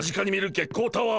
月光タワー？